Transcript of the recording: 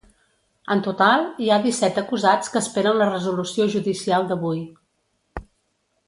En total, hi ha disset acusats que esperen la resolució judicial d’avui.